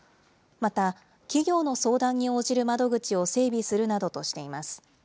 また、企業の相談に応じる窓口を整備するなどとしています。